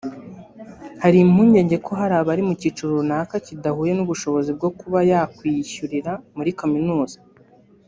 Hari impungenge ko hari abari mu cyiciro runaka kidahuye n’ubushobozi bwo kuba yakwiyishyurira muri kaminuza